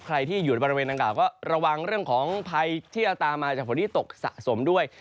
ใครที่อยู่ในบริเวณดังกล่าก็ระวังเรื่องของภัยที่จะตามมาจากฝนที่ตกสะสมด้วย